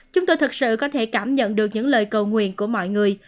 chúng tôi thật sự có thể cảm nhận được những lời cầu nguyện của mọi người